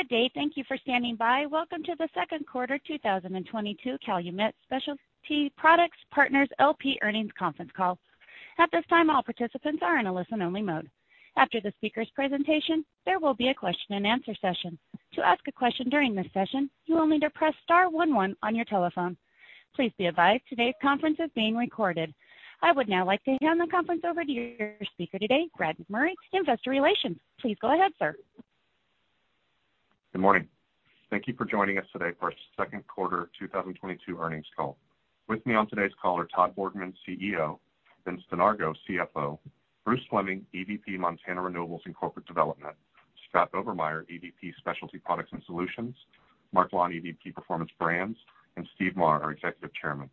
Good day. Thank you for standing by. Welcome to the second quarter 2022 Calumet Specialty Products Partners, L.P. Earnings Conference Call. At this time, all participants are in a listen-only mode. After the speaker's presentation, there will be a question-and-answer session. To ask a question during this session, you will need to press star one one on your telephone. Please be advised today's conference is being recorded. I would now like to hand the conference over to your speaker today, Brad McMurray, Investor Relations. Please go ahead, sir. Good morning. Thank you for joining us today for our second quarter 2022 earnings call. With me on today's call are Todd Borgmann, CEO; Vincent Donargo, CFO; Bruce Fleming, EVP, Montana Renewables and Corporate Development; Scott Obermeier, EVP, Specialty Products and Solutions; Marc Lawn, EVP, Performance Brands; and Steve Mawer, our Executive Chairman.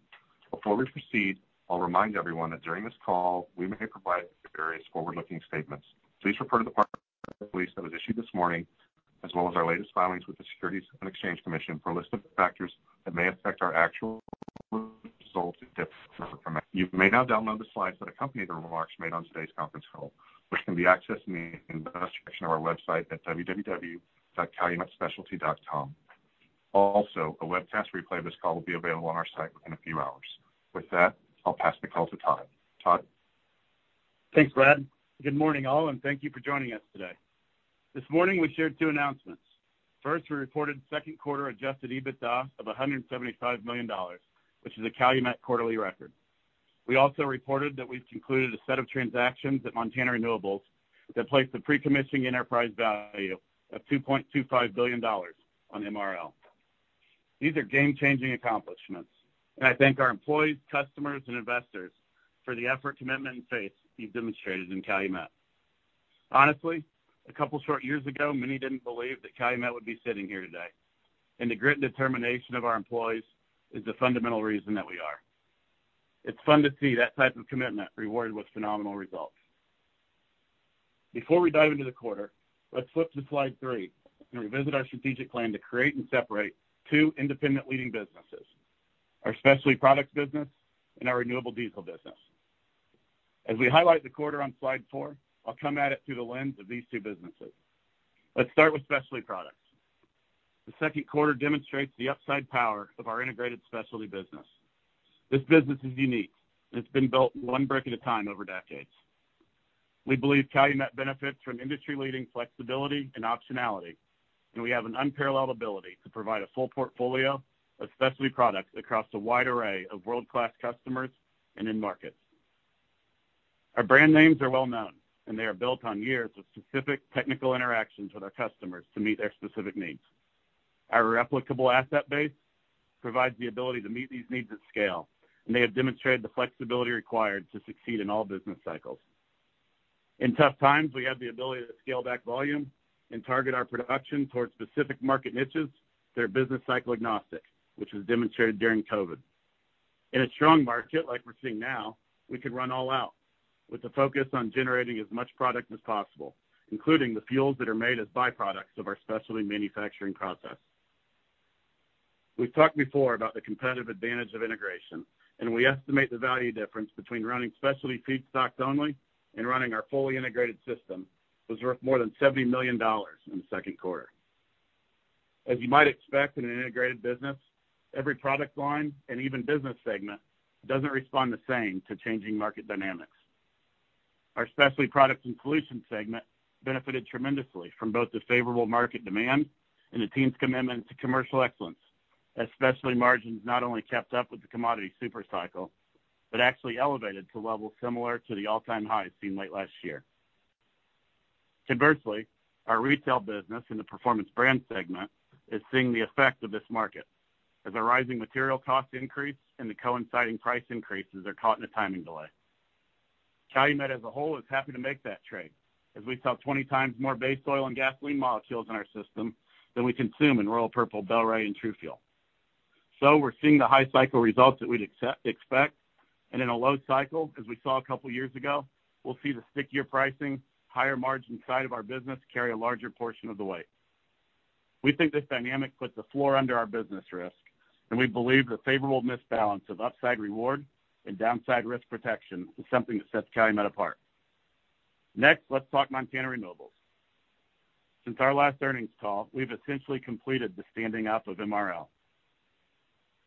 Before we proceed, I'll remind everyone that during this call, we may provide various forward-looking statements. Please refer to the press release that was issued this morning, as well as our latest filings with the Securities and Exchange Commission for a list of factors that may affect our actual results. You may now download the slides that accompany the remarks made on today's conference call, which can be accessed in the Investor section of our website at www.calumetspecialty.com. Also, a webcast replay of this call will be available on our site within a few hours. With that, I'll pass the call to Todd. Todd? Thanks, Brad. Good morning, all, and thank you for joining us today. This morning we shared two announcements. First, we reported second quarter adjusted EBITDA of $175 million, which is a Calumet quarterly record. We also reported that we've concluded a set of transactions at Montana Renewables that place the pre-commissioning enterprise value of $2.25 billion on MRL. These are game-changing accomplishments, and I thank our employees, customers and investors for the effort, commitment and faith you've demonstrated in Calumet. Honestly, a couple short years ago, many didn't believe that Calumet would be sitting here today, and the grit and determination of our employees is the fundamental reason that we are. It's fun to see that type of commitment rewarded with phenomenal results. Before we dive into the quarter, let's flip to slide three and revisit our strategic plan to create and separate two independent leading businesses, our specialty products business and our renewable diesel business. As we highlight the quarter on slide four, I'll come at it through the lens of these two businesses. Let's start with specialty products. The second quarter demonstrates the upside power of our integrated specialty business. This business is unique, and it's been built one brick at a time over decades. We believe Calumet benefits from industry-leading flexibility and optionality, and we have an unparalleled ability to provide a full portfolio of specialty products across a wide array of world-class customers and end markets. Our brand names are well-known, and they are built on years of specific technical interactions with our customers to meet their specific needs. Our replicable asset base provides the ability to meet these needs at scale, and they have demonstrated the flexibility required to succeed in all business cycles. In tough times, we have the ability to scale back volume and target our production towards specific market niches that are business cycle agnostic, which was demonstrated during COVID. In a strong market like we're seeing now, we can run all out with the focus on generating as much product as possible, including the fuels that are made as byproducts of our specialty manufacturing process. We've talked before about the competitive advantage of integration, and we estimate the value difference between running specialty feedstocks only and running our fully integrated system was worth more than $70 million in the second quarter. As you might expect in an integrated business, every product line and even business segment doesn't respond the same to changing market dynamics. Our Specialty Products and Solutions segment benefited tremendously from both the favorable market demand and the team's commitment to commercial excellence, as specialty margins not only kept up with the commodity super cycle, but actually elevated to levels similar to the all-time highs seen late last year. Conversely, our retail business in the Performance Brands segment is seeing the effect of this market as the rising material cost increase and the coinciding price increases are caught in a timing delay. Calumet as a whole is happy to make that trade as we sell 20x more base oil and gasoline molecules in our system than we consume in Royal Purple, Bel-Ray and TruFuel. We're seeing the high cycle results that we'd expect, and in a low cycle, as we saw a couple years ago, we'll see the stickier pricing, higher margin side of our business carry a larger portion of the weight. We think this dynamic puts a floor under our business risk, and we believe the favorable misbalance of upside reward and downside risk protection is something that sets Calumet apart. Next, let's talk Montana Renewables. Since our last earnings call, we've essentially completed the standing up of MRL.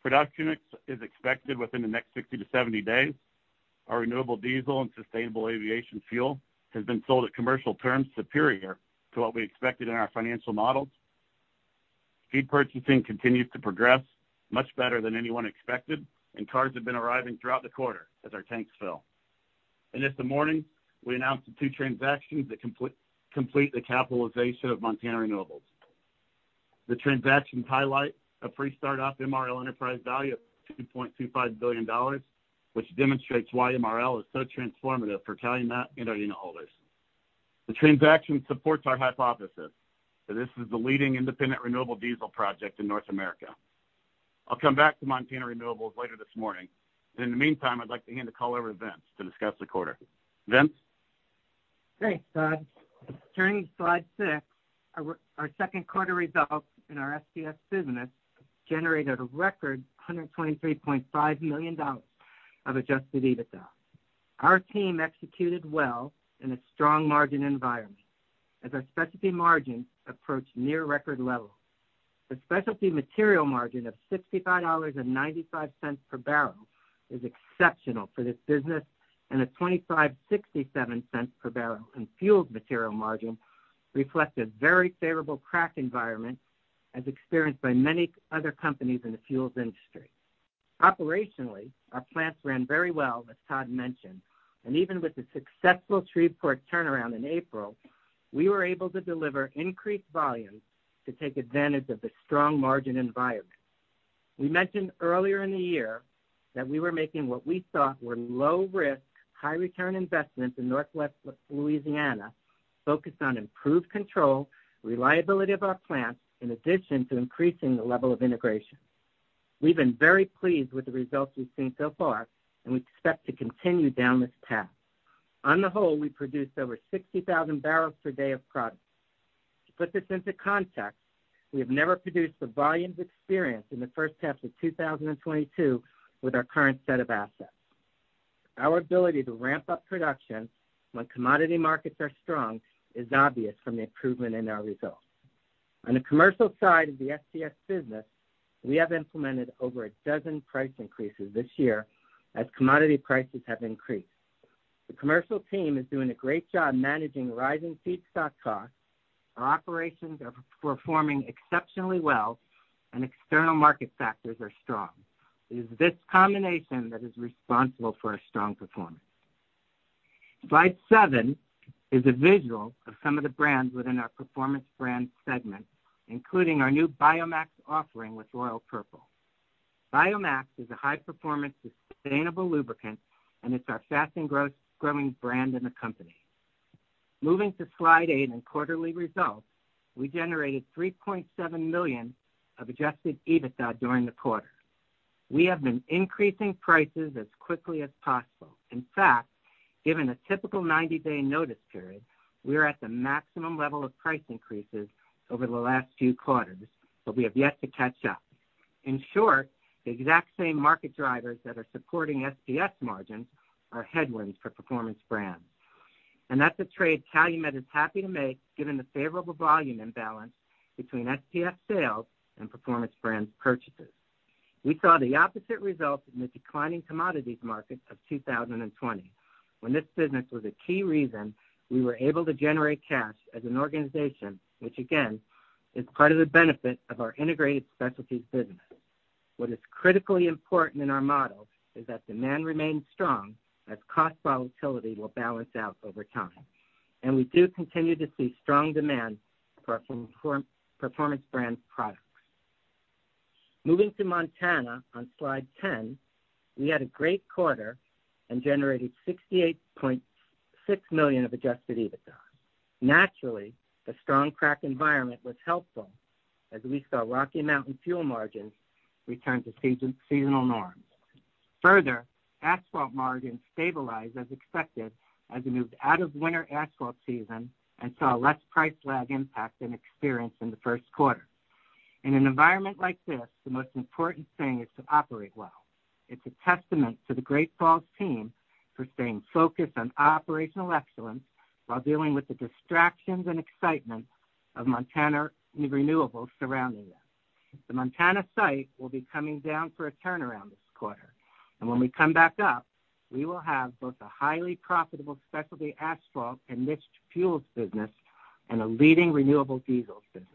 Production is expected within the next 60-70 days. Our renewable diesel and sustainable aviation fuel has been sold at commercial terms superior to what we expected in our financial models. Feed purchasing continues to progress much better than anyone expected, and cars have been arriving throughout the quarter as our tanks fill. This morning, we announced the two transactions that complete the capitalization of Montana Renewables. The transactions highlight a pre-startup MRL enterprise value of $2.25 billion, which demonstrates why MRL is so transformative for Calumet and our unitholders. The transaction supports our hypothesis that this is the leading independent renewable diesel project in North America. I'll come back to Montana Renewables later this morning, but in the meantime, I'd like to hand the call over to Vince to discuss the quarter. Vince? Great, Todd. Turning to slide six, our second quarter results in our SPS business generated a record $123.5 million of adjusted EBITDA. Our team executed well in a strong margin environment as our specialty margins approached near record levels. The specialty material margin of $65.95 per barrel is exceptional for this business, and a $0.2567 per barrel in fuels material margin reflects a very favorable crack environment as experienced by many other companies in the fuels industry. Operationally, our plants ran very well, as Todd mentioned, and even with the successful Shreveport turnaround in April, we were able to deliver increased volumes to take advantage of the strong margin environment. We mentioned earlier in the year that we were making what we thought were low risk, high return investments in Northwest Louisiana focused on improved control, reliability of our plants, in addition to increasing the level of integration. We've been very pleased with the results we've seen so far, and we expect to continue down this path. On the whole, we produced over 60,000 bbl per day of product. To put this into context, we have never produced the volumes experienced in the first half of 2022 with our current set of assets. Our ability to ramp up production when commodity markets are strong is obvious from the improvement in our results. On the commercial side of the SPS business, we have implemented over a dozen price increases this year as commodity prices have increased. The commercial team is doing a great job managing rising feedstock costs. Our operations are performing exceptionally well and external market factors are strong. It is this combination that is responsible for our strong performance. Slide seven is a visual of some of the brands within our Performance Brands segment, including our new BioMax offering with Royal Purple. BioMax is a high-performance, sustainable lubricant, and it's our fastest growing brand in the company. Moving to slide eight and quarterly results, we generated $3.7 million of adjusted EBITDA during the quarter. We have been increasing prices as quickly as possible. In fact, given a typical 90-day notice period, we are at the maximum level of price increases over the last few quarters, so we have yet to catch up. In short, the exact same market drivers that are supporting SPS margins are headwinds for Performance Brands. That's a trade Calumet is happy to make given the favorable volume imbalance between SPS sales and Performance Brands purchases. We saw the opposite results in the declining commodities market of 2020 when this business was a key reason we were able to generate cash as an organization, which again, is part of the benefit of our integrated specialties business. What is critically important in our model is that demand remains strong as cost volatility will balance out over time, and we do continue to see strong demand for our Performance Brands products. Moving to Montana on slide 10, we had a great quarter and generated $68.6 million of adjusted EBITDA. Naturally, the strong crack environment was helpful as we saw Rocky Mountain fuel margins return to seasonal norms. Further, asphalt margins stabilized as expected as we moved out of winter asphalt season and saw less price lag impact than experienced in the first quarter. In an environment like this, the most important thing is to operate well. It's a testament to the Great Falls team for staying focused on operational excellence while dealing with the distractions and excitement of Montana Renewables surrounding them. The Montana site will be coming down for a turnaround this quarter, and when we come back up, we will have both a highly profitable specialty asphalt and niche fuels business and a leading renewable diesels business.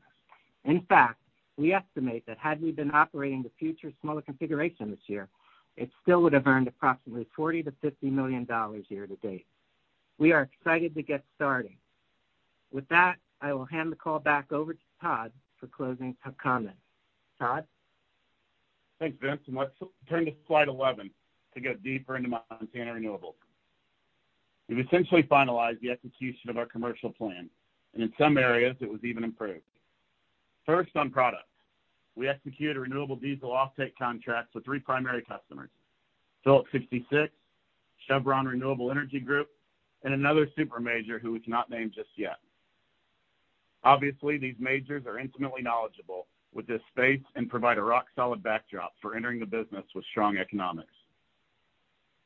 In fact, we estimate that had we been operating the future smaller configuration this year, it still would have earned approximately $40 million-$50 million year to date. We are excited to get started. With that, I will hand the call back over to Todd for closing comments. Todd? Thanks, Vince. Let's turn to slide 11 to go deeper into Montana Renewables. We've essentially finalized the execution of our commercial plan, and in some areas it was even improved. First, on products. We executed renewable diesel offtake contracts with three primary customers, Phillips 66, Chevron Renewable Energy Group, and another super major who we cannot name just yet. Obviously, these majors are intimately knowledgeable with this space and provide a rock-solid backdrop for entering the business with strong economics.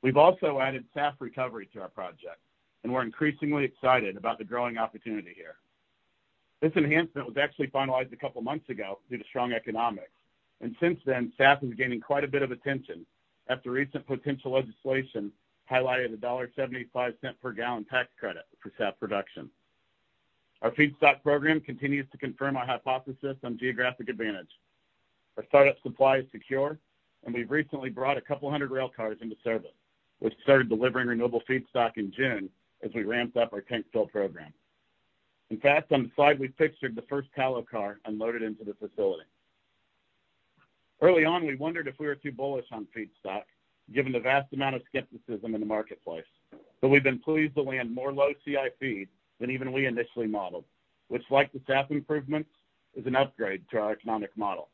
We've also added SAF recovery to our project, and we're increasingly excited about the growing opportunity here. This enhancement was actually finalized a couple months ago due to strong economics, and since then, SAF has been gaining quite a bit of attention after recent potential legislation highlighted a $1.75 per gallon tax credit for SAF production. Our feedstock program continues to confirm our hypothesis on geographic advantage. Our startup supply is secure and we've recently brought a couple hundred rail cars into service, which started delivering renewable feedstock in June as we ramped up our tank fill program. In fact, on the slide, we pictured the first tallow car unloaded into the facility. Early on, we wondered if we were too bullish on feedstock given the vast amount of skepticism in the marketplace. We've been pleased to land more low CI than even we initially modeled, which like the SAF improvements, is an upgrade to our economic model.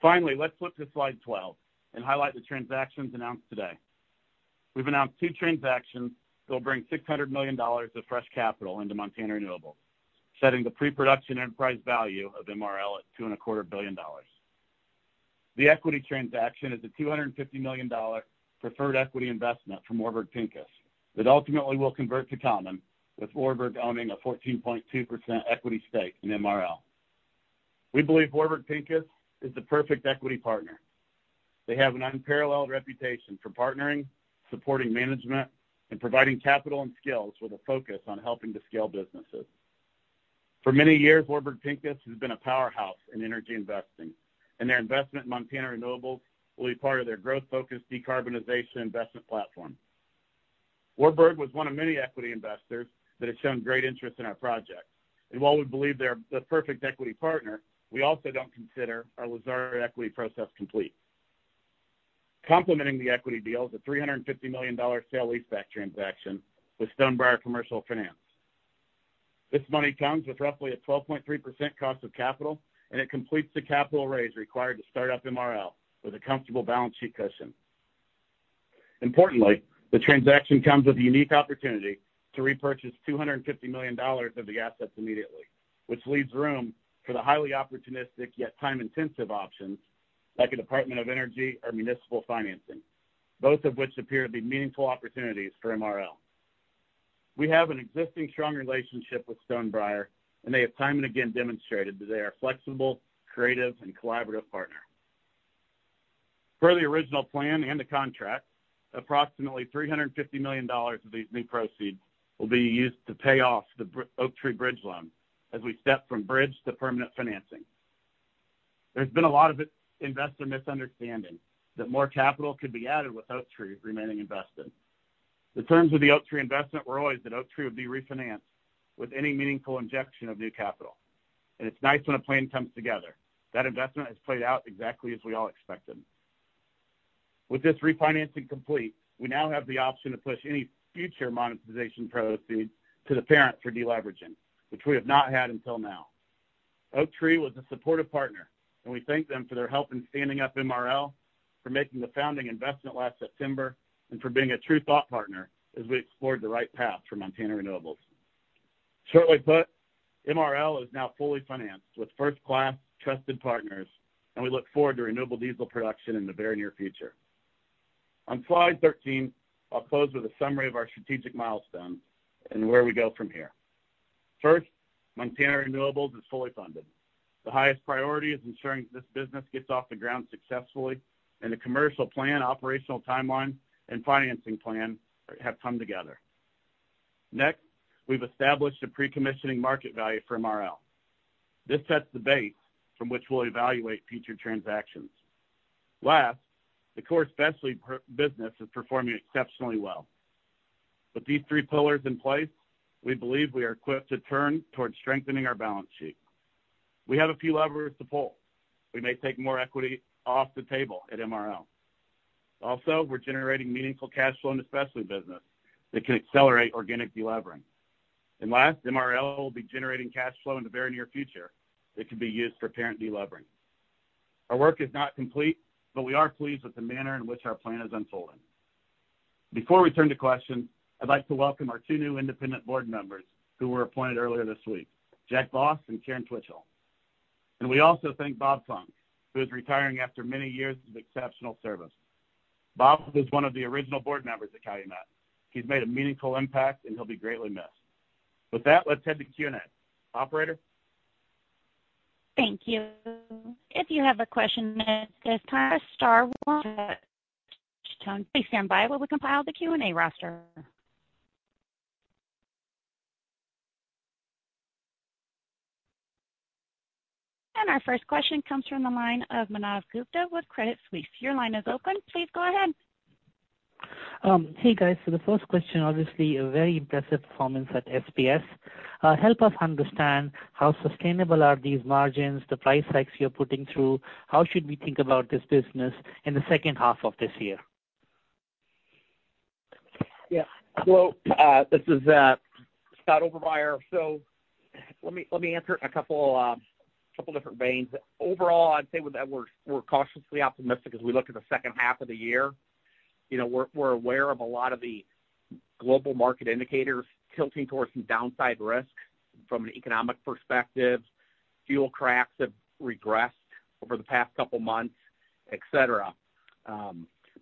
Finally, let's flip to slide 12 and highlight the transactions announced today. We've announced two transactions that will bring $600 million of fresh capital into Montana Renewables, setting the pre-production enterprise value of MRL at $2.25 billion. The equity transaction is a $250 million preferred equity investment from Warburg Pincus that ultimately will convert to common, with Warburg owning a 14.2% equity stake in MRL. We believe Warburg Pincus is the perfect equity partner. They have an unparalleled reputation for partnering, supporting management, and providing capital and skills with a focus on helping to scale businesses. For many years, Warburg Pincus has been a powerhouse in energy investing, and their investment in Montana Renewables will be part of their growth-focused decarbonization investment platform. Warburg was one of many equity investors that has shown great interest in our project. While we believe they are the perfect equity partner, we also don't consider our Lazard equity process complete. Complementing the equity deal is a $350 million sale leaseback transaction with Stonebriar Commercial Finance. This money comes with roughly a 12.3% cost of capital, and it completes the capital raise required to start up MRL with a comfortable balance sheet cushion. Importantly, the transaction comes with a unique opportunity to repurchase $250 million of the assets immediately, which leaves room for the highly opportunistic yet time-intensive options like a Department of Energy or municipal financing, both of which appear to be meaningful opportunities for MRL. We have an existing strong relationship with Stonebriar, and they have time and again demonstrated that they are a flexible, creative, and collaborative partner. Per the original plan and the contract, approximately $350 million of these new proceeds will be used to pay off the Oaktree bridge loan as we step from bridge to permanent financing. There's been a lot of investor misunderstanding that more capital could be added with Oaktree remaining invested. The terms of the Oaktree investment were always that Oaktree would be refinanced with any meaningful injection of new capital, and it's nice when a plan comes together. That investment has played out exactly as we all expected. With this refinancing complete, we now have the option to push any future monetization proceeds to the parent for deleveraging, which we have not had until now. Oaktree was a supportive partner, and we thank them for their help in standing up MRL, for making the founding investment last September, and for being a true thought partner as we explored the right path for Montana Renewables. Shortly put, MRL is now fully financed with first-class trusted partners, and we look forward to renewable diesel production in the very near future. On slide 13, I'll close with a summary of our strategic milestones and where we go from here. First, Montana Renewables is fully funded. The highest priority is ensuring that this business gets off the ground successfully, and the commercial plan, operational timeline, and financing plan have come together. Next, we've established a pre-commissioning market value for MRL. This sets the base from which we'll evaluate future transactions. Last, the core specialty business is performing exceptionally well. With these three pillars in place, we believe we are equipped to turn towards strengthening our balance sheet. We have a few levers to pull. We may take more equity off the table at MRL. Also, we're generating meaningful cash flow in the specialty business that can accelerate organic delevering. And last, MRL will be generating cash flow in the very near future that can be used for parent delevering. Our work is not complete, but we are pleased with the manner in which our plan has unfolded. Before we turn to questions, I'd like to welcome our two new independent board members who were appointed earlier this week, Jack Boss and Karen Twitchell. We also thank Bob Funk, who is retiring after many years of exceptional service. Bob is one of the original board members of Calumet. He's made a meaningful impact, and he'll be greatly missed. With that, let's head to Q&A. Operator? Thank you. If you have a question at this time, star one. Please stand by while we compile the Q&A roster. Our first question comes from the line of Manav Gupta with Credit Suisse. Your line is open. Please go ahead. Hey, guys. The first question, obviously a very impressive performance at SPS. Help us understand how sustainable are these margins, the price hikes you're putting through. How should we think about this business in the second half of this year? Yeah. Well, this is Scott Obermeier. Let me answer in a couple different veins. Overall, I'd say that we're cautiously optimistic as we look at the second half of the year. You know, we're aware of a lot of the global market indicators tilting towards some downside risk from an economic perspective. Fuel cracks have regressed over the past couple months, et cetera.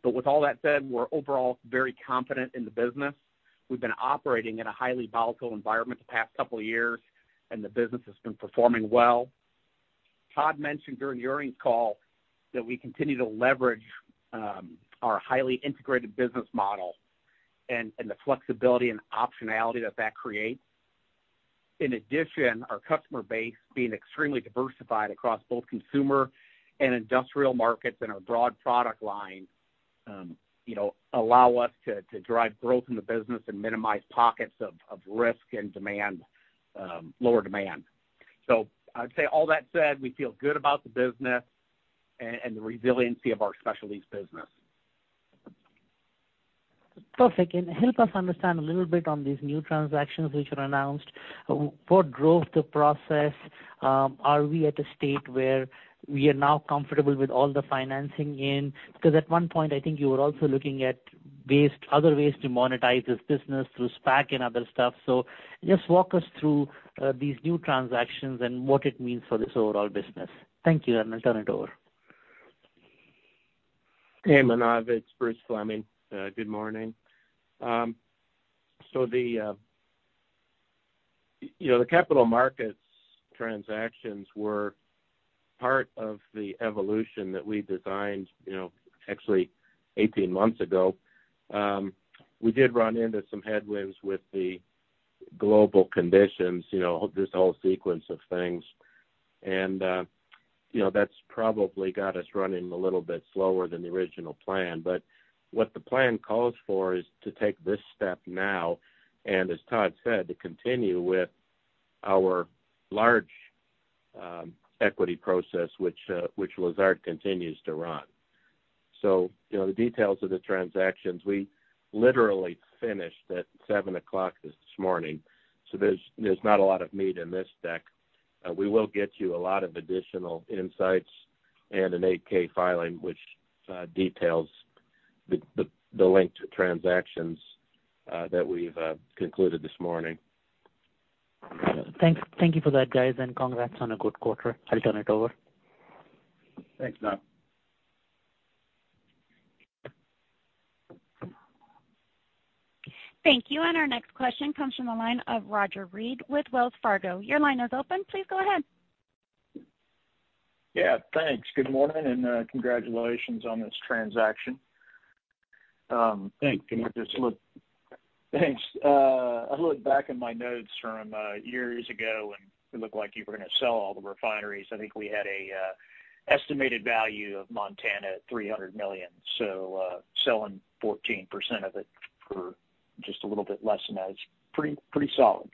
With all that said, we're overall very confident in the business. We've been operating in a highly volatile environment the past couple years, and the business has been performing well. Todd mentioned during the earnings call that we continue to leverage our highly integrated business model and the flexibility and optionality that that creates. In addition, our customer base being extremely diversified across both consumer and industrial markets and our broad product line, you know, allow us to drive growth in the business and minimize pockets of risk and demand, lower demand. I'd say all that said, we feel good about the business and the resiliency of our specialties business. Perfect. Help us understand a little bit on these new transactions which were announced. What drove the process? Are we at a state where we are now comfortable with all the financing in? Because at one point, I think you were also looking at ways, other ways to monetize this business through SPAC and other stuff. Just walk us through these new transactions and what it means for this overall business. Thank you. I'll turn it over. Hey, Manav, it's Bruce Fleming. Good morning. The capital markets transactions were part of the evolution that we designed, you know, actually 18 months ago. We did run into some headwinds with the global conditions, you know, this whole sequence of things. You know, that's probably got us running a little bit slower than the original plan. What the plan calls for is to take this step now, and as Todd said, to continue with our large equity process, which Lazard continues to run. You know, the details of the transactions, we literally finished at 7:00 A.M. this morning, so there's not a lot of meat in this deck. We will get you a lot of additional insights and an 8-K filing which details the linked transactions that we've concluded this morning. Thanks. Thank you for that, guys, and congrats on a good quarter. I'll turn it over. Thanks, Manav. Thank you. Our next question comes from the line of Roger Read with Wells Fargo. Your line is open. Please go ahead. Yeah, thanks. Good morning and, congratulations on this transaction. Thanks. Thanks. I looked back in my notes from years ago when it looked like you were gonna sell all the refineries. I think we had an estimated value of Montana at $300 million. Selling 14% of it for just a little bit less than that is pretty solid.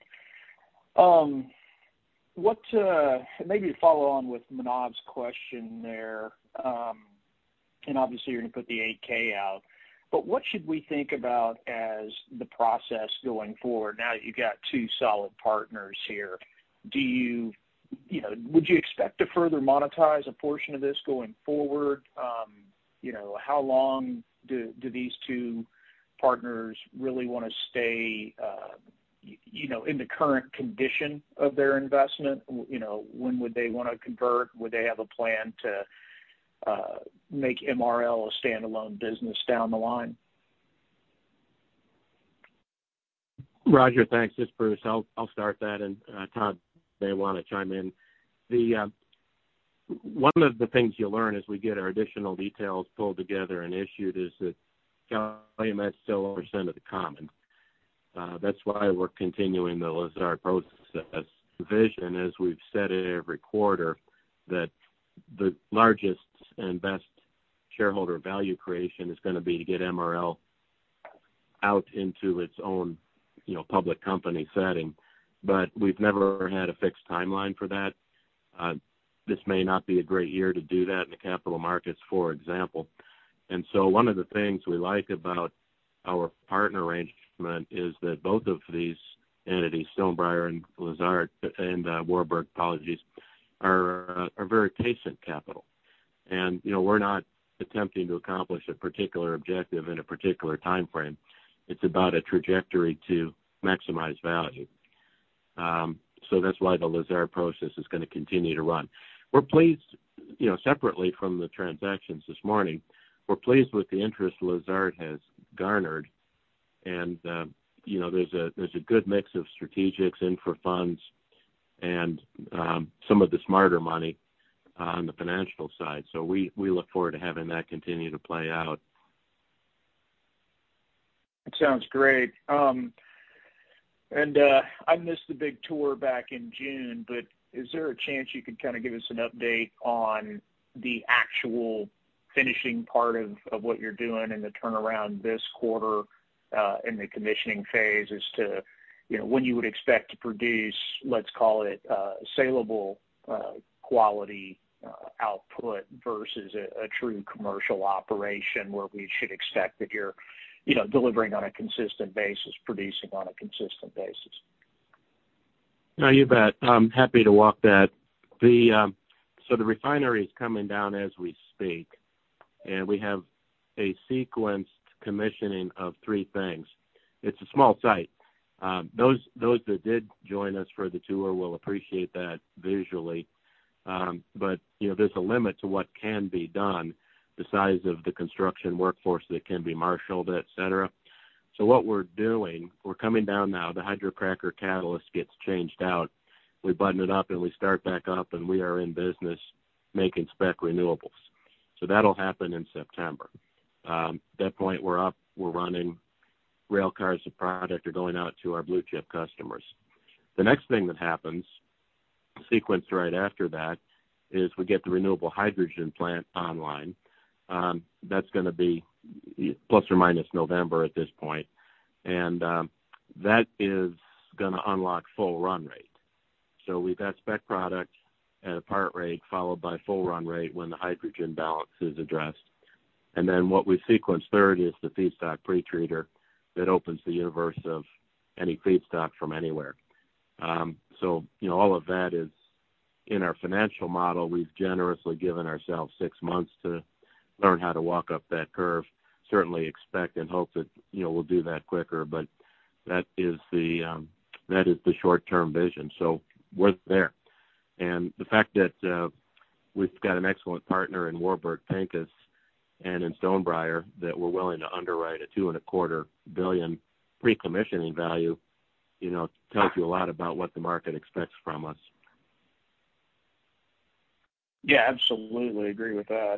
Maybe to follow on with Manav's question there, and obviously you're gonna put the 8-K out, but what should we think about as the process going forward now that you've got two solid partners here? You know, would you expect to further monetize a portion of this going forward? You know, how long do these two partners really wanna stay you know in the current condition of their investment? You know, when would they wanna convert? Would they have a plan to make MRL a standalone business down the line? Roger, thanks. It's Bruce. I'll start that and Todd may wanna chime in. One of the things you'll learn as we get our additional details pulled together and issued is that percent of the common. That's why we're continuing the Lazard process vision, as we've said it every quarter, that the largest and best shareholder value creation is gonna be to get MRL out into its own, you know, public company setting. But we've never had a fixed timeline for that. This may not be a great year to do that in the capital markets, for example. One of the things we like about our partner arrangement is that both of these entities, Stonebriar and Lazard and Warburg, apologies, are very patient capital. You know, we're not attempting to accomplish a particular objective in a particular time frame. It's about a trajectory to maximize value. That's why the Lazard process is gonna continue to run. We're pleased, you know, separately from the transactions this morning, we're pleased with the interest Lazard has garnered. You know, there's a good mix of strategics in for funds and some of the smarter money on the financial side. We look forward to having that continue to play out. It sounds great. I missed the big tour back in June, but is there a chance you could kind of give us an update on the actual finishing part of what you're doing and the turnaround this quarter, in the commissioning phase as to, you know, when you would expect to produce, let's call it, saleable quality output versus a true commercial operation where we should expect that you're, you know, delivering on a consistent basis, producing on a consistent basis? No, you bet. I'm happy to walk that. The refinery is coming down as we speak, and we have a sequenced commissioning of three things. It's a small site. Those that did join us for the tour will appreciate that visually. But you know, there's a limit to what can be done, the size of the construction workforce that can be marshaled, et cetera. What we're doing, we're coming down now, the hydrocracker catalyst gets changed out. We button it up, and we start back up, and we are in business making spec renewables. That'll happen in September. At that point, we're up, we're running. Rail cars of product are going out to our blue-chip customers. The next thing that happens, sequenced right after that, is we get the renewable hydrogen plant online. That's gonna be plus or minus November at this point. That is gonna unlock full run rate. We've got spec product at a part rate followed by full run rate when the hydrogen balance is addressed. Then what we sequence third is the feedstock pretreater that opens the universe of any feedstock from anywhere. You know, all of that is in our financial model. We've generously given ourselves six months to learn how to walk up that curve, certainly expect and hope that, you know, we'll do that quicker. That is the short-term vision. We're there. The fact that we've got an excellent partner in Warburg Pincus and in Stonebriar that we're willing to underwrite a $2.25 billion pre-commissioning value, you know, tells you a lot about what the market expects from us. Yeah, absolutely agree with that.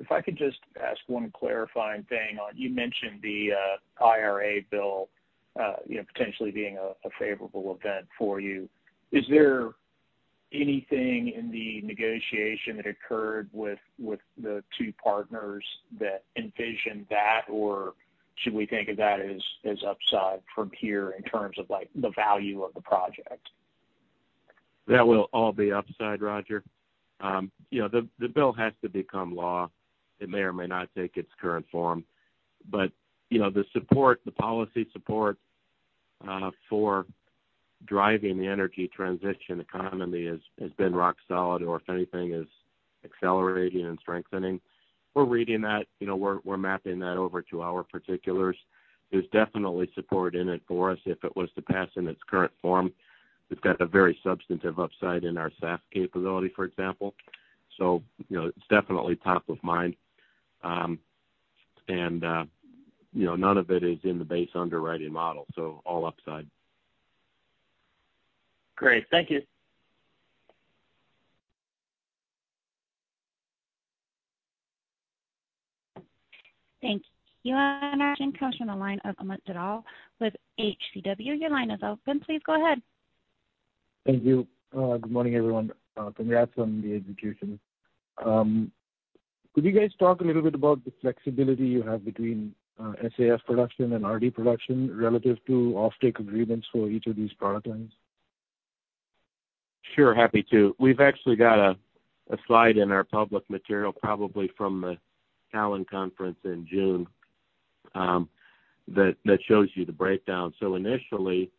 If I could just ask one clarifying thing. You mentioned the IRA bill, you know, potentially being a favorable event for you. Is there anything in the negotiation that occurred with the two partners that envisioned that? Or should we think of that as upside from here in terms of, like, the value of the project? That will all be upside, Roger. You know, the bill has to become law. It may or may not take its current form, but you know, the support, the policy support, for driving the energy transition economy has been rock solid, or if anything, is accelerating and strengthening. We're reading that, you know, we're mapping that over to our particulars. There's definitely support in it for us if it was to pass in its current form. We've got a very substantive upside in our SAF capability, for example. You know, it's definitely top of mind. You know, none of it is in the base underwriting model, so all upside. Great. Thank you. Thank you. Our next question comes from the line of Amit Dayal with HCW. Your line is open. Please go ahead. Thank you. Good morning, everyone. Congrats on the execution. Could you guys talk a little bit about the flexibility you have between SAF production and RD production relative to offtake agreements for each of these product lines? Sure. Happy to. We've actually got a slide in our public material, probably from the Cowen conference in June that shows you the breakdown. Initially,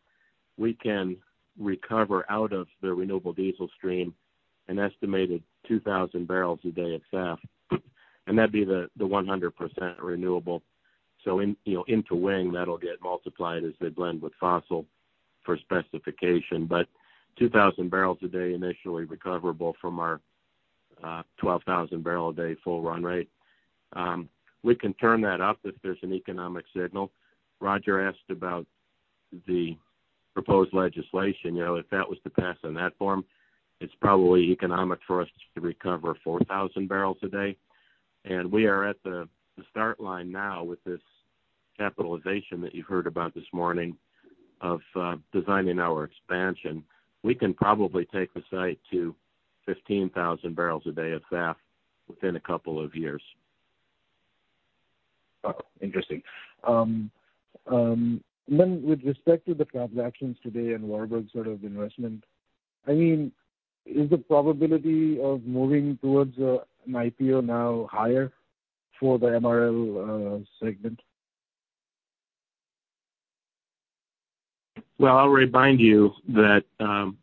we can recover out of the renewable diesel stream an estimated 2,000 bbl a day of SAF, and that'd be the 100% renewable. In, you know, into wing, that'll get multiplied as they blend with fossil for specification. 2,000 bbl a day initially recoverable from our 12,000 bbl a day full run rate. We can turn that up if there's an economic signal. Roger asked about the proposed legislation. You know, if that was to pass in that form, it's probably economic for us to recover 4,000 bbl a day. We are at the start line now with this capitalization that you heard about this morning of designing our expansion. We can probably take the site to 15,000 bbl a day of SAF within a couple of years. Oh, interesting. With respect to the transactions today and Warburg sort of investment, I mean, is the probability of moving towards an IPO now higher for the MRL segment? Well, I'll remind you that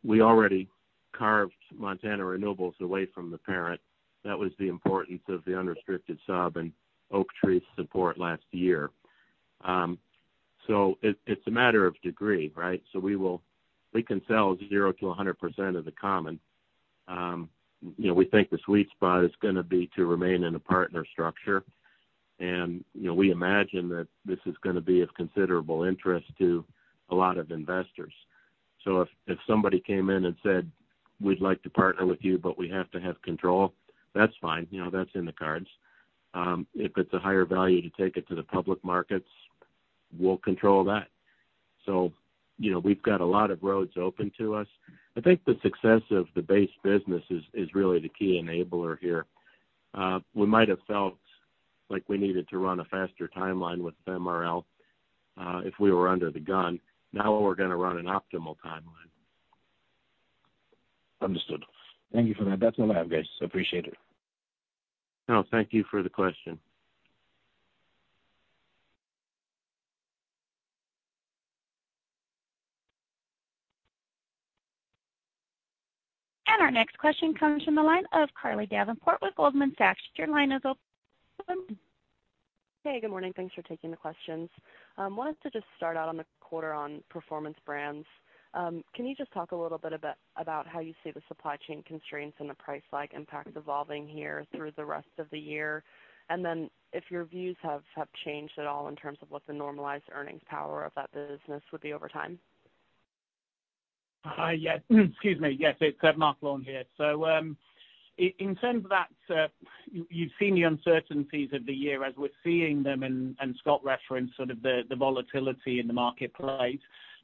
we already carved Montana Renewables away from the parent. That was the importance of the unrestricted sub and Oaktree support last year. It's a matter of degree, right? We can sell 0 to 100% of the common. You know, we think the sweet spot is gonna be to remain in a partner structure. You know, we imagine that this is gonna be of considerable interest to a lot of investors. If somebody came in and said, "We'd like to partner with you, but we have to have control," that's fine. You know, that's in the cards. If it's a higher value to take it to the public markets, we'll control that. You know, we've got a lot of roads open to us. I think the success of the base business is really the key enabler here. We might have felt like we needed to run a faster timeline with MRL, if we were under the gun. Now we're gonna run an optimal timeline. Understood. Thank you for that. That's all I have, guys. Appreciate it. No, thank you for the question. Our next question comes from the line of Carly Davenport with Goldman Sachs. Your line is open. Hey, good morning. Thanks for taking the questions. Wanted to just start out on the quarter on Performance Brands. Can you just talk a little bit about how you see the supply chain constraints and the price lag impact evolving here through the rest of the year? If your views have changed at all in terms of what the normalized earnings power of that business would be over time. Yeah. Excuse me. Yes, it's Marc Lawn here. In terms of that, you've seen the uncertainties of the year as we're seeing them, and Scott referenced sort of the volatility in the marketplace.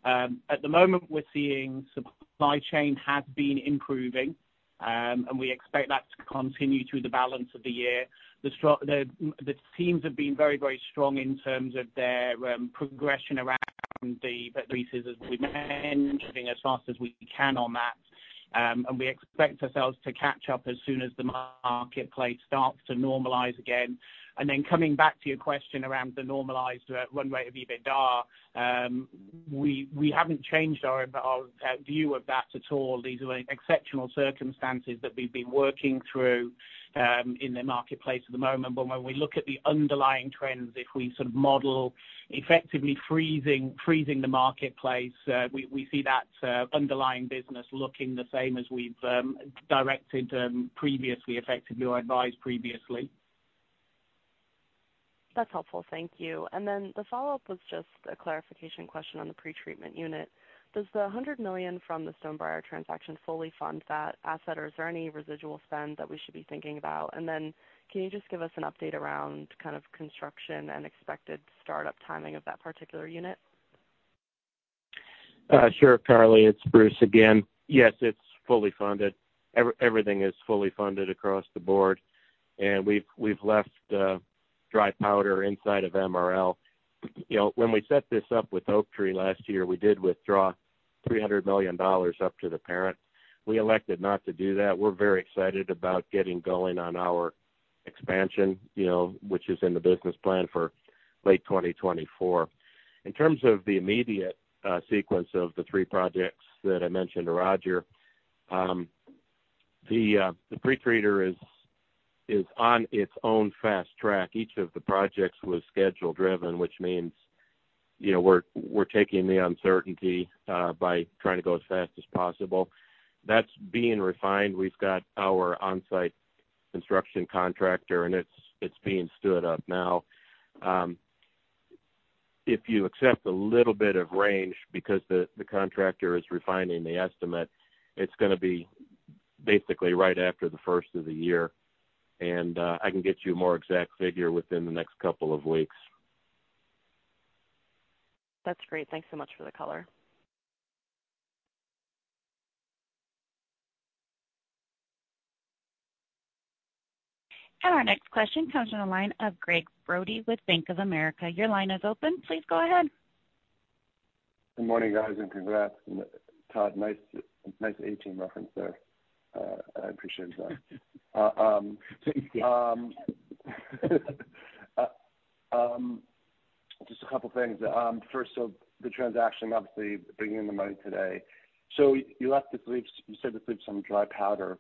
At the moment, we're seeing supply chain has been improving, and we expect that to continue through the balance of the year. The teams have been very strong in terms of their progression around the increases as we're managing as fast as we can on that. We expect ourselves to catch up as soon as the marketplace starts to normalize again. Coming back to your question around the normalized runway of EBITDA, we haven't changed our view of that at all. These are exceptional circumstances that we've been working through in the marketplace at the moment. When we look at the underlying trends, if we sort of model effectively freezing the marketplace, we see that underlying business looking the same as we've directed previously effectively or advised previously. That's helpful. Thank you. Then the follow-up was just a clarification question on the pretreatment unit. Does the $100 million from the Stonebriar transaction fully fund that asset, or is there any residual spend that we should be thinking about? Then can you just give us an update around kind of construction and expected start-up timing of that particular unit? Sure, Carly, it's Bruce again. Yes, it's fully funded. Everything is fully funded across the board, and we've left dry powder inside of MRL. You know, when we set this up with Oaktree last year, we did withdraw $300 million up to the parent. We elected not to do that. We're very excited about getting going on our expansion, you know, which is in the business plan for late 2024. In terms of the immediate sequence of the three projects that I mentioned to Roger, the pretreater is on its own fast track. Each of the projects was schedule driven, which means, you know, we're taking the uncertainty by trying to go as fast as possible. That's being refined. We've got our on-site construction contractor, and it's being stood up now. If you accept a little bit of range because the contractor is refining the estimate, it's gonna be basically right after the first of the year. I can get you a more exact figure within the next couple of weeks. That's great. Thanks so much for the color. Our next question comes from the line of Gregg Brody with Bank of America. Your line is open. Please go ahead. Good morning, guys, and congrats. Todd, nice A-team reference there. I appreciate that. Thank you. Just a couple things. First, the transaction obviously bringing in the money today. You said you'd leave some dry powder.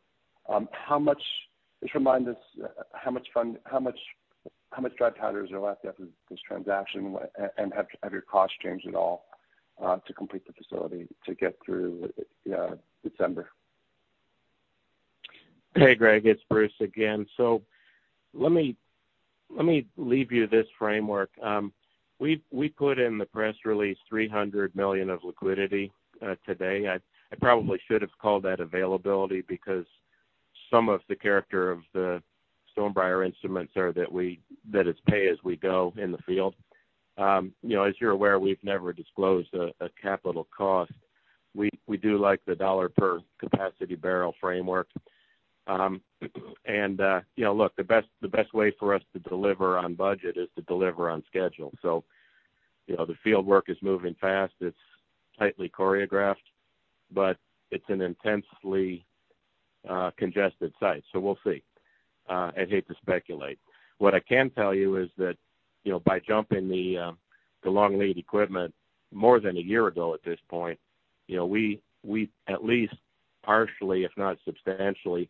Just remind us how much funding, how much dry powder is there left after this transaction? Have your costs changed at all to complete the facility to get through December? Hey, Greg, it's Bruce again. Let me leave you this framework. We put in the press release $300 million of liquidity today. I probably should have called that availability because some of the character of the Stonebriar instruments are that it's pay as we go in the field. You know, as you're aware, we've never disclosed a capital cost. We do like the dollar per capacity barrel framework. You know, look, the best way for us to deliver on budget is to deliver on schedule. You know, the field work is moving fast. It's tightly choreographed, but it's an intensely congested site. We'll see. I'd hate to speculate. What I can tell you is that, you know, by jumping the long lead equipment more than a year ago at this point, you know, we at least partially, if not substantially,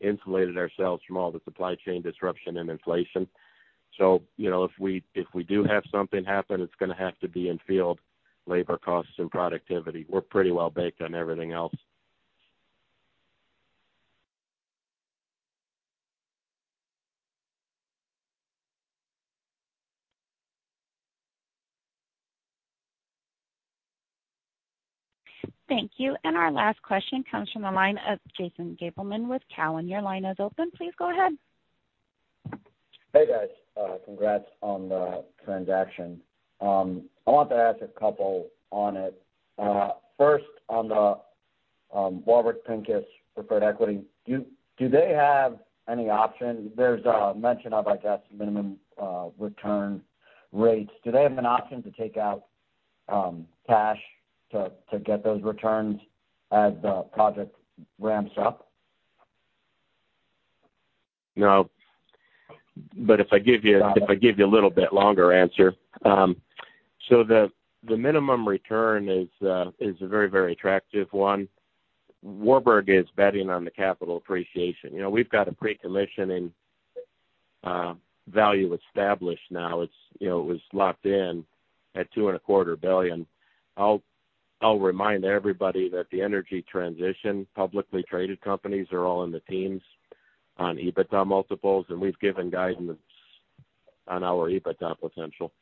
insulated ourselves from all the supply chain disruption and inflation. You know, if we do have something happen, it's gonna have to be in field labor costs and productivity. We're pretty well baked on everything else. Thank you. Our last question comes from the line of Jason Gabelman with Cowen. Your line is open. Please go ahead. Hey, guys. Congrats on the transaction. I want to ask a couple on it. First on the Warburg Pincus preferred equity, do they have any options? There's a mention of, I guess, minimum return rates. Do they have an option to take out cash to get those returns as the project ramps up? No. If I give you Got it. If I give you a little bit longer answer, so the minimum return is a very attractive one. Warburg is betting on the capital appreciation. You know, we've got a pre-commissioning value established now. It's, you know, it was locked in at $2.25 billion. I'll remind everybody that the energy transition publicly traded companies are all in the teens on EBITDA multiples, and we've given guidance on our EBITDA potential.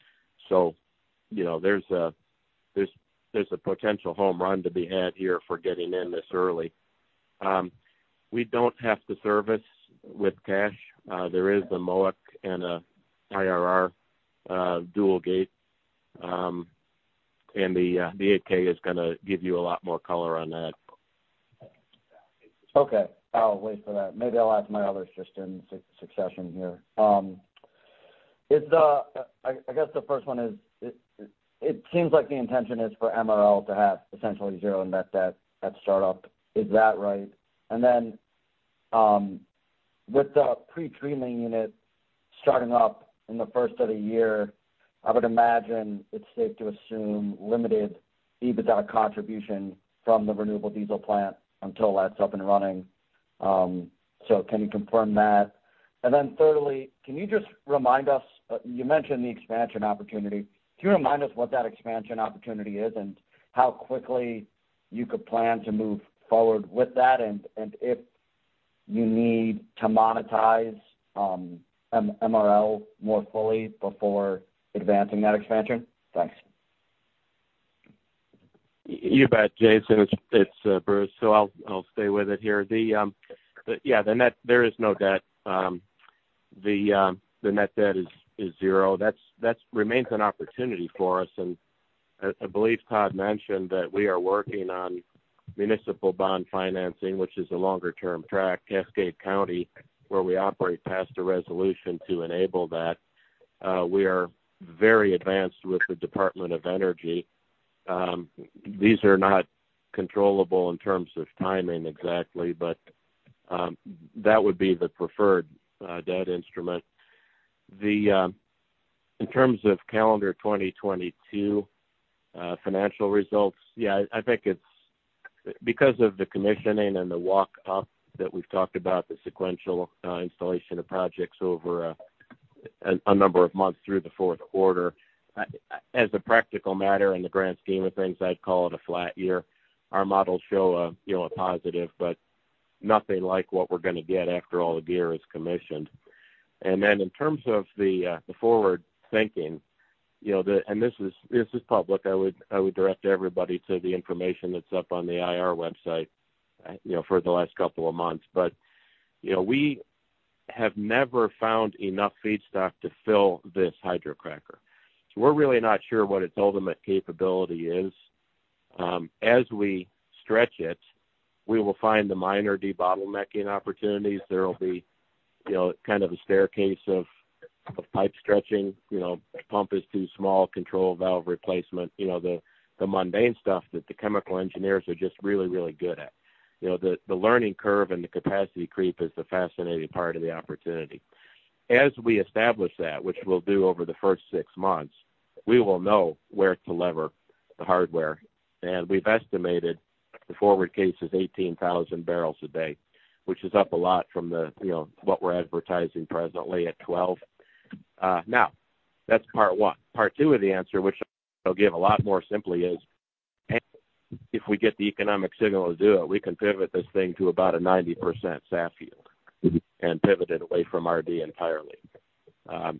You know, there's a potential home run to be had here for getting in this early. We don't have to service with cash. There is a MOIC and a IRR dual gate, and the 8-K is gonna give you a lot more color on that. Okay. I'll wait for that. Maybe I'll ask my other questions just in succession here. I guess the first one is, it seems like the intention is for MRL to have essentially zero net debt at startup. Is that right? With the pre-treating unit starting up in the first of the year, I would imagine it's safe to assume limited EBITDA contribution from the renewable diesel plant until that's up and running. Can you confirm that? Thirdly, can you just remind us, you mentioned the expansion opportunity. Can you remind us what that expansion opportunity is and how quickly you could plan to move forward with that and if you need to monetize MRL more fully before advancing that expansion? Thanks. You bet, Jason. It's Bruce. So I'll stay with it here. There is no debt. The net debt is zero. That remains an opportunity for us. I believe Todd mentioned that we are working on municipal bond financing, which is a longer term track. Cascade County, where we operate, passed a resolution to enable that. We are very advanced with the Department of Energy. These are not controllable in terms of timing exactly, but that would be the preferred debt instrument. In terms of calendar 2022 financial results, yeah, I think it's because of the commissioning and the walk up that we've talked about, the sequential installation of projects over a number of months through the fourth quarter, as a practical matter in the grand scheme of things, I'd call it a flat year. Our models show a, you know, a positive, but nothing like what we're gonna get after all the gear is commissioned. In terms of the forward thinking, you know, the, and this is public. I would direct everybody to the information that's up on the IR website, you know, for the last couple of months. You know, we have never found enough feedstock to fill this hydrocracker. We're really not sure what its ultimate capability is. As we stretch it, we will find the minor debottlenecking opportunities. There will be, you know, kind of a staircase of pipe stretching. You know, pump is too small, control valve replacement, you know, the mundane stuff that the chemical engineers are just really, really good at. You know, the learning curve and the capacity creep is the fascinating part of the opportunity. As we establish that, which we'll do over the first six months, we will know where to lever the hardware. We've estimated the forward case is 18,000 bbl a day, which is up a lot from the, you know, what we're advertising presently at 12. Now, that's part one. Part two of the answer, which I'll give a lot more simply is, if we get the economic signal to do it, we can pivot this thing to about a 90% SAF yield and pivot it away from RD entirely.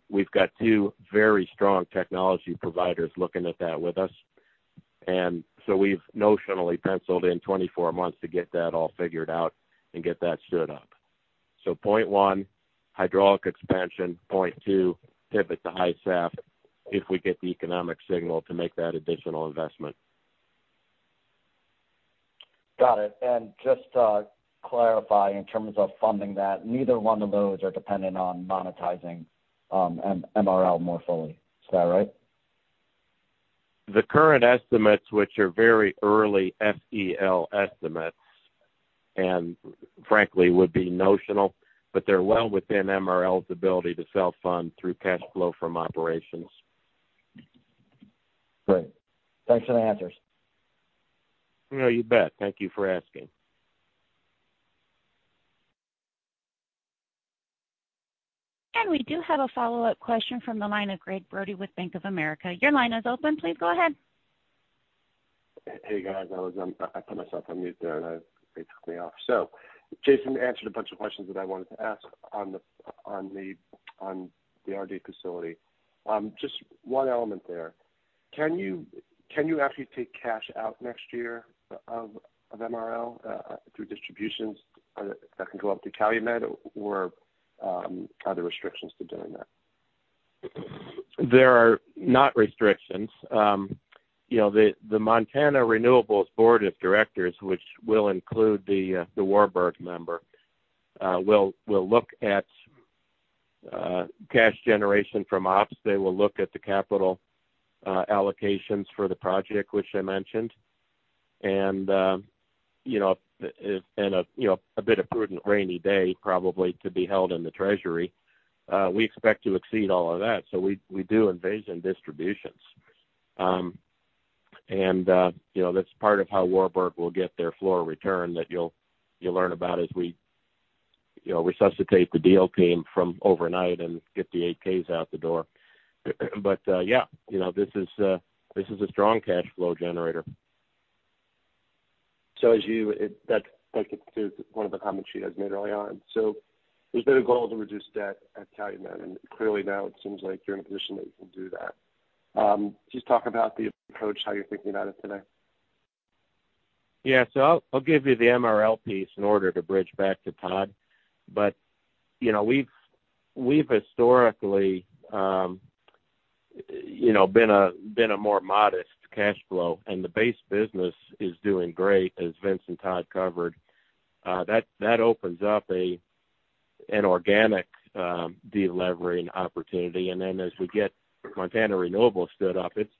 We've got two very strong technology providers looking at that with us. We've notionally penciled in 24 months to get that all figured out and get that stood up. Point one, hydraulic expansion. Point two, pivot to high SAF if we get the economic signal to make that additional investment. Got it. Just to clarify in terms of funding that, neither one of those are dependent on monetizing MRL more fully. Is that right? The current estimates, which are very early SEL estimates and frankly would be notional, but they're well within MRL's ability to self-fund through cash flow from operations. Great. Thanks for the answers. No, you bet. Thank you for asking. We do have a follow-up question from the line of Gregg Brody with Bank of America. Your line is open. Please go ahead. Hey, guys. I put myself on mute there, and they took me off. Jason answered a bunch of questions that I wanted to ask on the RD facility. Just one element there. Can you actually take cash out next year of MRL through distributions that can go up to Calumet, or are there restrictions to doing that? There are no restrictions. You know, the Montana Renewables board of directors, which will include the Warburg member, will look at cash generation from ops. They will look at the capital allocations for the project, which I mentioned. A bit of prudent rainy day probably to be held in the treasury. We expect to exceed all of that, so we do envision distributions. That's part of how Warburg will get their floor return that you'll learn about as we resuscitate the deal team from overnight and get the 8-Ks out the door. This is a strong cash flow generator. That's like one of the comments you guys made early on. There's been a goal to reduce debt at Calumet, and clearly now it seems like you're in a position that you can do that. Just talk about the approach, how you're thinking about it today. Yeah. I'll give you the MRL piece in order to bridge back to Todd. You know, we've historically, you know, been a more modest cash flow, and the base business is doing great as Vince and Todd covered. That opens up an organic delevering opportunity. As we get Montana Renewables stood up, it's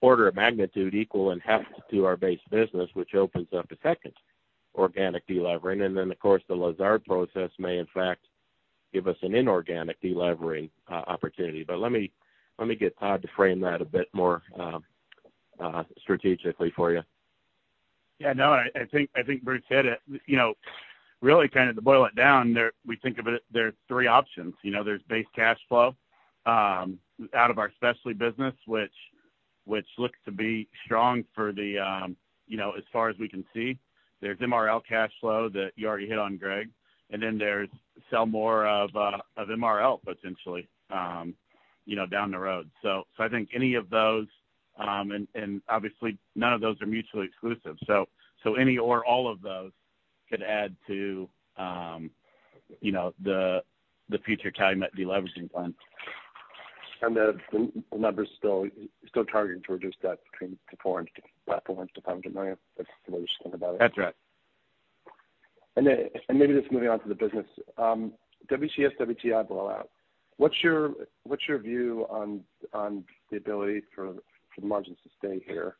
order of magnitude equal in half to our base business, which opens up a second organic delevering. Of course, the Lazard process may in fact give us an inorganic delevering opportunity. Let me get Todd to frame that a bit more strategically for you. Yeah, no, I think Bruce hit it. You know, really kind of to boil it down there, we think of it. There are three options. You know, there's base cash flow out of our specialty business, which looks to be strong for the, you know, as far as we can see. There's MRL cash flow that you already hit on, Greg. And then there's sell more of MRL potentially, you know, down the road. So I think any of those, and obviously none of those are mutually exclusive. So any or all of those could add to, you know, the future Calumet deleveraging plan. The number's still targeting to reduce that between $400 million and $500 million. That's the way you're thinking about it? That's right. Maybe just moving on to the business. WCS/WTI blowout. What's your view on the ability for the margins to stay here?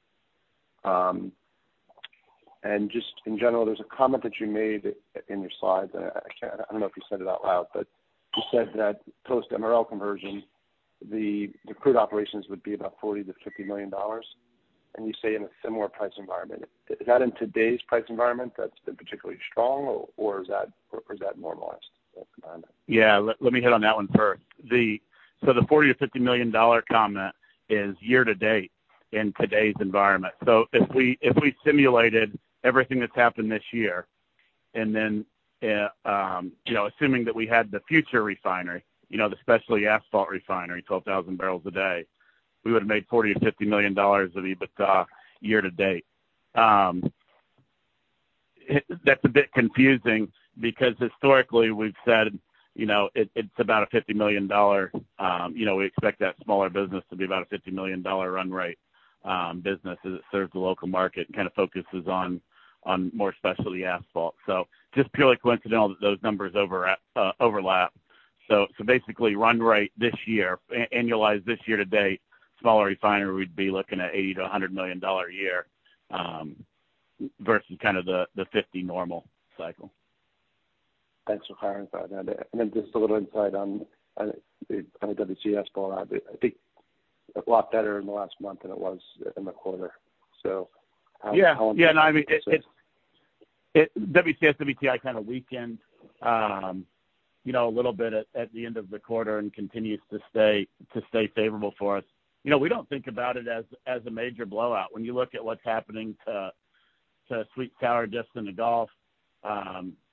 In general, there's a comment that you made in your slides. I can't, I don't know if you said it out loud, but you said that post-MRL conversion, the crude operations would be about $40 million-$50 million, and you say in a similar price environment. Is that in today's price environment that's been particularly strong or is that normalized? Yeah. Let me hit on that one first. The $40 million-$50 million comment is year to date in today's environment. If we simulated everything that's happened this year and then, you know, assuming that we had the future refinery, you know, the specialty asphalt refinery, 12,000 bbl a day, we would've made $40 million-$50 million of EBITDA year to date. That's a bit confusing because historically we've said, you know, it's about a $50 million, you know, we expect that smaller business to be about a $50 million run rate, business as it serves the local market and kind of focuses on more specialty asphalt. Just purely coincidental that those numbers overlap. Basically run rate this year, annualized this year to date, smaller refinery, we'd be looking at $80 million-$100 million a year versus kind of the $50 normal cycle. Thanks for clarifying that. Just a little insight on the WCS rollout. I think a lot better in the last month than it was in the quarter. How long Yeah. Yeah, no, I mean, it's WCS/WTI kind of weakened, you know, a little bit at the end of the quarter and continues to stay favorable for us. You know, we don't think about it as a major blowout. When you look at what's happening to sweet crude just in the Gulf,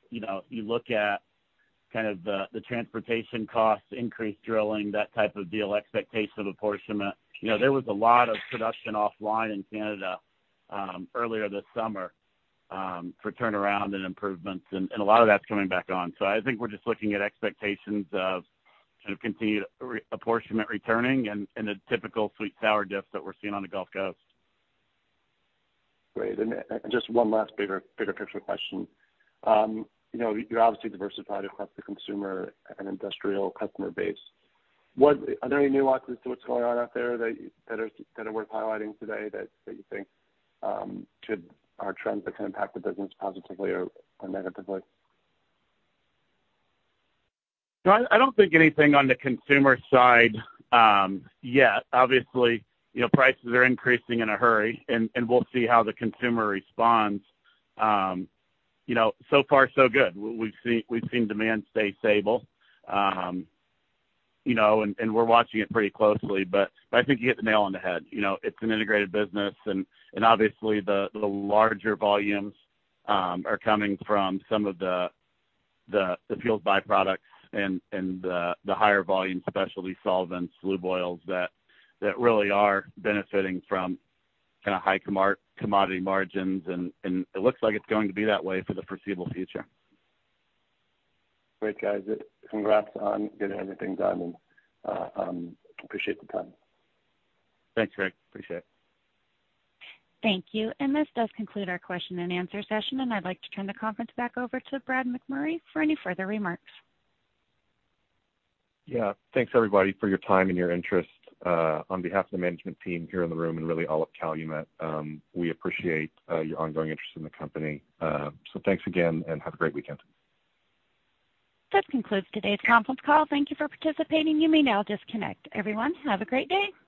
you know, you look at kind of the transportation costs, increased drilling, that type of deal, expectation of apportionment. You know, there was a lot of production offline in Canada earlier this summer for turnaround and improvements, and a lot of that's coming back on. I think we're just looking at expectations of kind of continued apportionment returning and a typical sweet-sour dip that we're seeing on the Gulf Coast. Great. Just one last bigger picture question. You know, you're obviously diversified across the consumer and industrial customer base. Are there any nuances to what's going on out there that are worth highlighting today that you think are trends that can impact the business positively or negatively? No, I don't think anything on the consumer side, yet. Obviously, you know, prices are increasing in a hurry and we'll see how the consumer responds. You know, so far so good. We've seen demand stay stable, you know, and we're watching it pretty closely, but I think you hit the nail on the head. You know, it's an integrated business and obviously the larger volumes are coming from some of the fuel byproducts and the higher volume specialty solvents, lube oils that really are benefiting from kinda high commodity margins. It looks like it's going to be that way for the foreseeable future. Great, guys. Congrats on getting everything done, and appreciate the time. Thanks, Greg. Appreciate it. Thank you. This does conclude our question and answer session, and I'd like to turn the conference back over to Brad McMurray for any further remarks. Yeah. Thanks, everybody, for your time and your interest. On behalf of the management team here in the room and really all at Calumet, we appreciate your ongoing interest in the company. Thanks again, and have a great weekend. This concludes today's conference call. Thank you for participating. You may now disconnect. Everyone, have a great day.